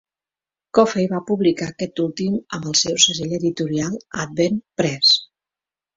Coffey va publicar aquest últim amb el seu segell editorial Advent Press.